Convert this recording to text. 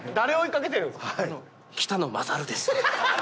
北野大です。